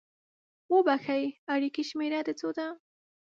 اوبښئ! اړیکې شمیره د څو ده؟